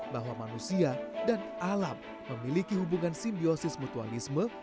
bahwa manusia dan alam memiliki hubungan simbiosis mutualisme